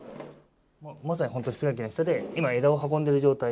まさに本当、室外機の下で、今、枝を運んでいる状態。